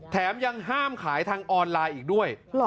แถมยังห้ามขายทางออนไลน์อีกด้วย